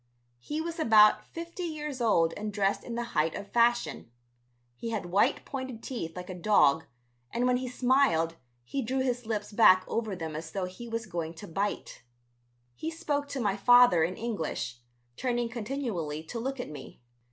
He was about fifty years old and dressed in the height of fashion. He had white pointed teeth like a dog and when he smiled he drew his lips back over them as though he was going to bite. He spoke to my father in English, turning continually to look at me.